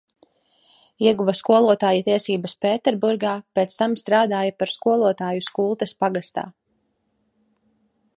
Ieguva skolotāja tiesības Pēterburgā, pēc tam strādāja par skolotāju Skultes pagastā.